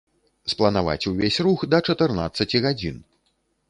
Спланаваць увесь рух да чатырнаццаці гадзін!